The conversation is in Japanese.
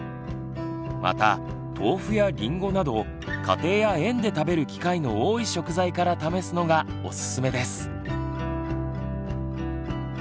また豆腐やりんごなど家庭や園で食べる機会の多い食材から試すのがおすすめです。